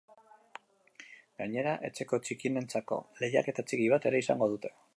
Gainera etxeko txikienentzako lehiaketa txiki bat ere izango dute.